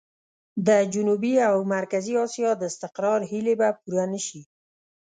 د جنوبي او مرکزي اسيا د استقرار هيلې به پوره نه شي.